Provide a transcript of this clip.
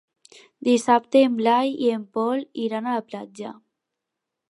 Dissabte en Blai i en Pol iran a la platja.